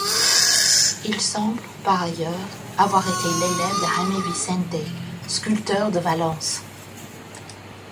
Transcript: Il semble, par ailleurs, avoir été l'élève de Jaime Vicente, sculpteur de Valence.